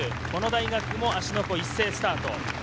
この大学も芦ノ湖一斉スタート。